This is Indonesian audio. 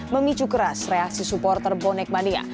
memicu keras reaksi supporter bonek mania